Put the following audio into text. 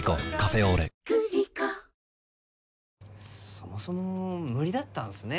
そもそも無理だったんすね